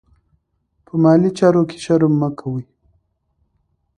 په مالي چارو کې شرم مه کوئ.